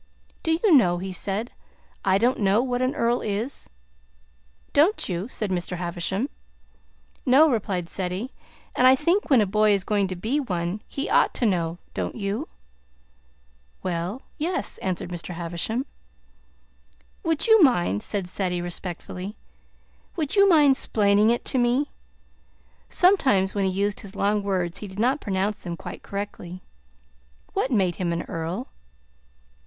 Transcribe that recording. "Do you know," he said, "I don't know what an earl is?" "Don't you?" said Mr. Havisham. "No," replied Ceddie. "And I think when a boy is going to be one, he ought to know. Don't you?" "Well yes," answered Mr. Havisham. "Would you mind," said Ceddie respectfully "would you mind 'splaining it to me?" (Sometimes when he used his long words he did not pronounce them quite correctly.) "What made him an earl?"